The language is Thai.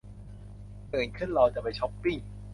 ตื่นขึ้นเราจะไปช็อปปิ้ง